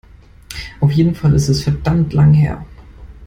Auf jeden Fall ist es verdammt lang her.